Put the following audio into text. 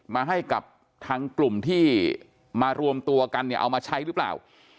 มาให้กับทางกลุ่มที่มารวมตัวกันเนี่ยเอามาใช้หรือเปล่า